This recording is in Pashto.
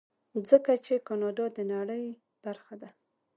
ځکه چې کاناډا د نړۍ برخه ده.